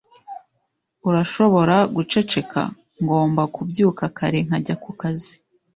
Urashobora guceceka? Ngomba kubyuka kare nkajya ku kazi.